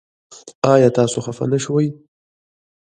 ایا تاسو خفه نه شوئ؟